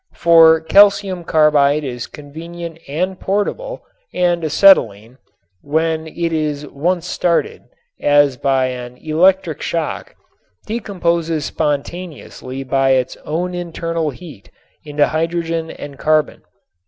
For calcium carbide is convenient and portable and acetylene, when it is once started, as by an electric shock, decomposes spontaneously by its own internal heat into hydrogen and carbon.